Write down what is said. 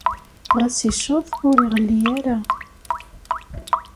Ɣas icceḍ, ur iɣelli ara.